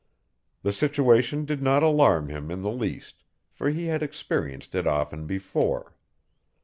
The situation did not alarm him in the least, for he had experienced it often before.